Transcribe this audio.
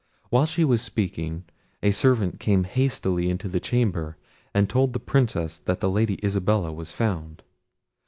While she was speaking, a servant came hastily into the chamber and told the Princess that the Lady Isabella was found.